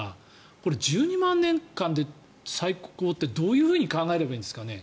これ、１２万年間で最高ってどういうふうに考えればいいんですかね？